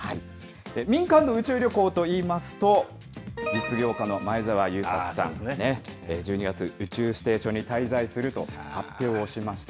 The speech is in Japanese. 民間の宇宙旅行といいますと、実業家の前澤友作さん、１２月、宇宙ステーションに滞在すると発表をしました。